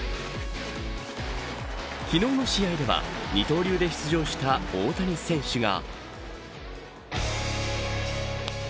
昨日の試合では二刀流で出場した大谷選手が。